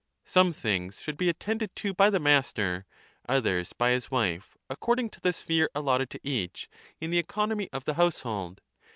Some things should be attended to by the master, others by his wife, according to the sphere allotted to each in the economy of the house hold.